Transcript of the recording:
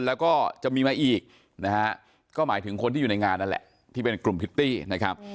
แล้วก็จะมีมาอีกนะฮะก็หมายถึงคนที่อยู่ในงานนั่นแหละที่เป็นกลุ่มพิตตี้นะครับ